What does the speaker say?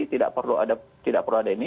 tidak perlu ada ini